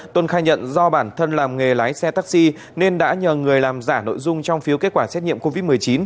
tuân khai nhận do bản thân làm nghề lái xe taxi nên đã nhờ người làm giả nội dung trong phiếu kết quả xét nghiệm covid một mươi chín